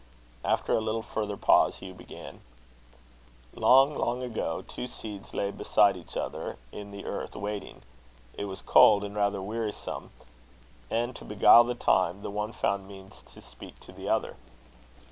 After a little further pause, Hugh began: "Long, long ago, two seeds lay beside each other in the earth, waiting. It was cold, and rather wearisome; and, to beguile the time, the one found means to speak to the other.